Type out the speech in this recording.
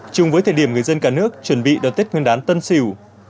chung với thời điểm người dân cả nước chuẩn bị đón tết nguyên đán tân sỉu